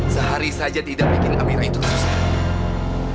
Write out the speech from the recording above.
sehari saja tidak bikin amera itu susah